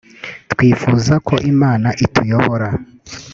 twifuza ko Imana ituyobora